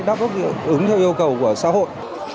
đáp ứng theo yêu cầu của xã hội